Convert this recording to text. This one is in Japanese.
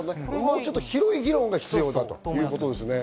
広い議論が必要だということですね。